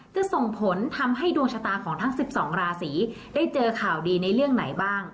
จะส่งผลทำให้ดวงชะตาของทั้ง๑๒ราศีได้เจอข่าวดีในเรื่องไหนบ้าง